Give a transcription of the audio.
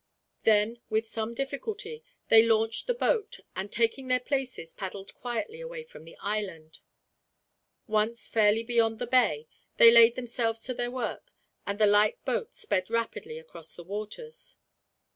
Then with some difficulty they launched the boat and, taking their places, paddled quietly away from the island. Once fairly beyond the bay, they laid themselves to their work, and the light boat sped rapidly across the waters.